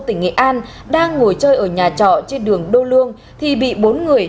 tỉnh nghệ an đang ngồi chơi ở nhà trọ trên đường đô lương thì bị bốn người